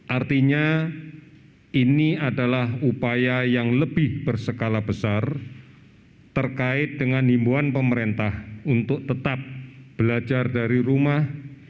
artinya ini adalah upaya yang lebih berskala besar terkait dengan himbuan pemerintah untuk tetap belajar dari rumah